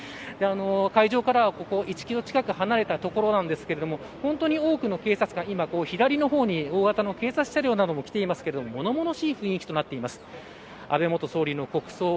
会場からはここ、１キロ近く離れた所なんですが本当に多くの警察官左の方に本当に多くの大型の警察車両などが来ていますが物々しい雰囲気となっています。